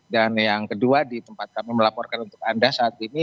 dan yang kedua di tempat kami melaporkan untuk anda saat ini